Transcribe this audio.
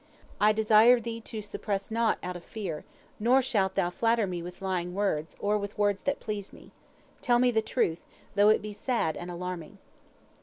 I desire thee to suppress naught out of fear, nor shalt thou flatter me with lying words, or with words that please me. Tell me the truth, though it be sad and alarming."